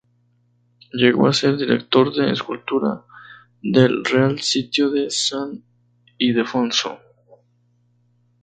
Llegó a ser director de escultura del Real Sitio de San Ildefonso.